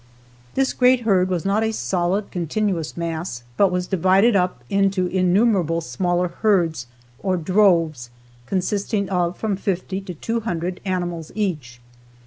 This great herd was not a solid, continuous mass, but was divided up into innumerable smaller herds or droves consisting of from fifty to two hundred animals each.